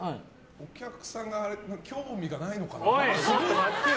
お客さんが興味がないのかな？